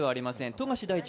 富樫大地